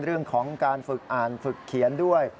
เรื่องของการฝึกอ่านฝึกเขียนด้วย